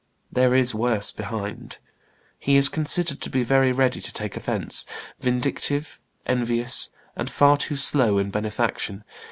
There is worse behind. He is considered to be very ready to take offence, vindictive, envious, and far too slow in benefaction.